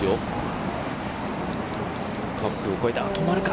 カップを越えて止まるか？